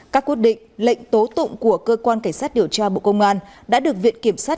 các quyết định lệnh tố tụng của cơ quan cảnh sát điều tra bộ công an đã được viện kiểm sát